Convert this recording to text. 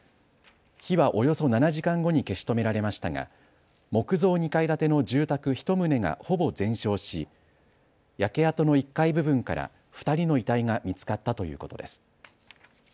火は、およそ７時間後に消し止められましたが木造２階建ての住宅１棟がほぼ全焼し焼け跡の１階部分から２人の遺体が見つかったということです。